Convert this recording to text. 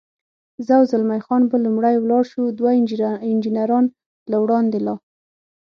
زه او زلمی خان به لومړی ولاړ شو، دوه انجنیران له وړاندې لا.